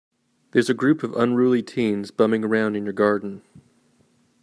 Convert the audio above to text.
There's a group of unruly teens bumming around in your garden.